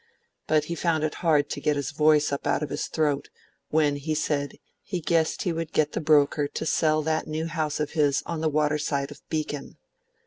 But he found it hard to get his voice up out of his throat, when he said he guessed he would get the broker to sell that new house of his on the water side of Beacon.